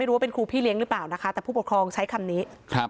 รู้ว่าเป็นครูพี่เลี้ยงหรือเปล่านะคะแต่ผู้ปกครองใช้คำนี้ครับ